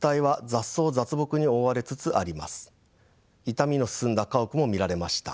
傷みの進んだ家屋も見られました。